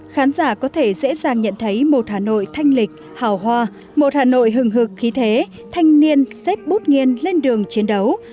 khán giả có thể dễ dàng nhận thấy một hà nội thanh lịch hào hoa một hà nội hừng hực khí thế thanh niên xếp bút nghiêng lên đường chiến đấu